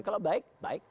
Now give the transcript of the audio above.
kalau baik baik